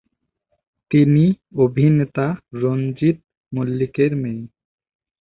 তিনি অভিনেতা রঞ্জিত মল্লিকের মেয়ে।